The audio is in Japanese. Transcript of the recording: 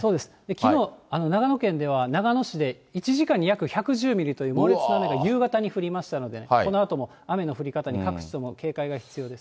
きのう、長野県では長野市で１時間に約１１０ミリという猛烈な雨が夕方に降りましたので、このあとも雨の降り方に各地とも警戒が必要です。